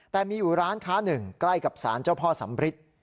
แต่มีอยู่ร้านค้าหนึ่งใกล้กับสารเจ้าพ่อสำริท